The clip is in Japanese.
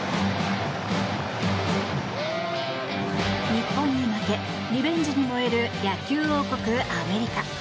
日本に負け、リベンジに燃える野球王国アメリカ。